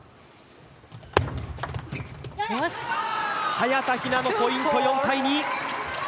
早田ひなのポイント、４−２。